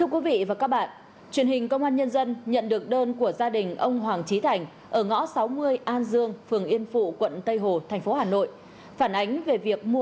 các bạn hãy đăng ký kênh để ủng hộ kênh của chúng mình nhé